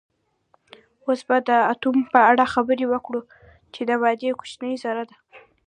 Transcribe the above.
اوس به د اتوم په اړه خبرې وکړو چې د مادې کوچنۍ ذره ده